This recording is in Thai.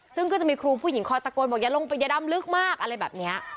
ซึ่งก็จะมีครูผู้หญิงคอยตะโกนบอกอย่าลงไปอย่าดำลึกมากอะไรแบบนี้